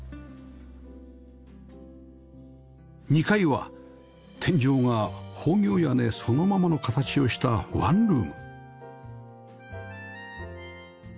２階は天井が方形屋根そのままの形をしたワンルーム